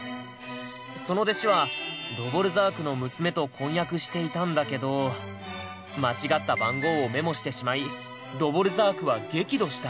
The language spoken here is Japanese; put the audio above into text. その弟子はドヴォルザークの娘と婚約していたんだけど間違った番号をメモしてしまいドヴォルザークは激怒した。